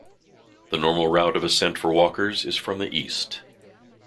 The normal route of ascent for walkers is from the east.